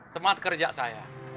semangat kerja saya